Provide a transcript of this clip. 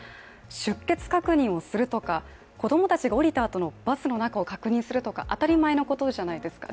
出欠確認をするとか子供たちが降りたあと、バスの中を確認するとか、当たり前のことじゃないですか。